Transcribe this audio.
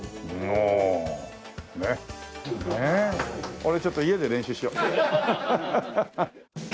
俺ちょっと家で練習しよう。